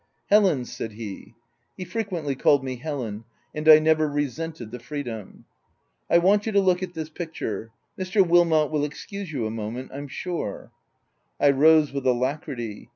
" Helen,'' said he, (he frequently called me Hele^n, and I never resented the freedom,) u I want you to look at this picture : Mr. Wilmot will excuse you a moment, I'm sure/' I rose with alacrity.